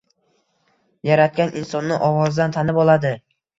Yaratgan Insonni ovozidan tanib oladi...